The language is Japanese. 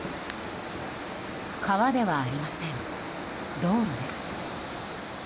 川ではありません、道路です。